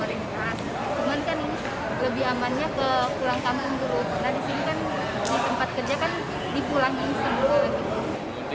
ini adalah hal yang terlalu dari pemerintah